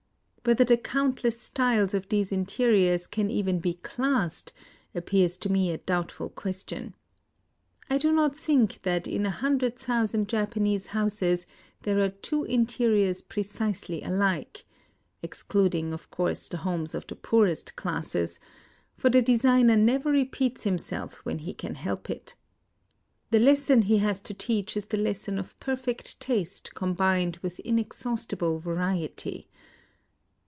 Whether the countless styles of these interiors can even be classed appears to me a doubtful question. I do not think that in a hundred thousand Japanese houses there are two interiors precisely alike — (excluding, of course, the homes of the poorest classes), — for the designer never re peats himself when he can help it. The lesson he has to teach is the lesson of perfect taste combined with inexhaustible variety.